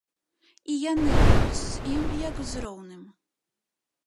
І яны будуць з ім, як з роўным.